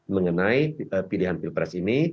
mengenai pilihan pilpres ini